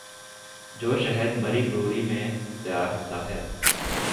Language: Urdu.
جو شہد مری بروری میں تیار ہوتا ہے۔